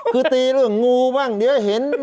คือตีเรื่องงูบ้างเดี๋ยวเห็น